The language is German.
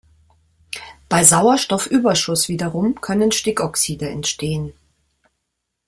Bei Sauerstoffüberschuss wiederum können Stickoxide entstehen.